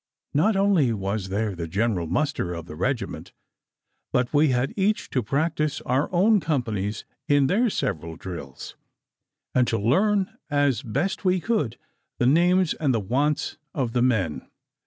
Not only was there the general muster of the regiment, but we had each to practise our own companies in their several drills, and to learn as best we could the names and the wants of the men.